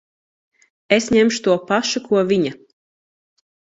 Es ņemšu to pašu, ko viņa.